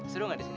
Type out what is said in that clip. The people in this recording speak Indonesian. seru gak di sini